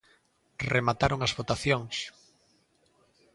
Remataron as votacións.